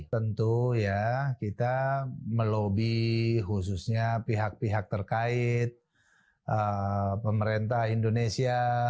tentu ya kita melobi khususnya pihak pihak terkait pemerintah indonesia